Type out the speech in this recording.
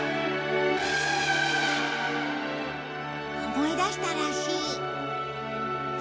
思い出したらしい。